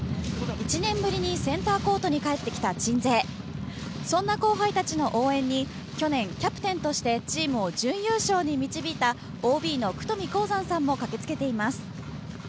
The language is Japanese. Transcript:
１年ぶりにセンターコートに帰ってきた鎮西そんな後輩たちの応援に去年、キャプテンとしてチームを準優勝に導いたＯＢの九冨鴻三さんも駆けつけています。